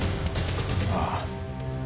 ああ。